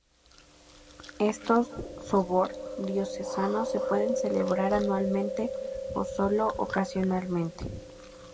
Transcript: Estos "sobor" diocesanos se pueden celebrar anualmente o sólo ocasionalmente.